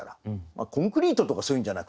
コンクリートとかそういうんじゃなくてね。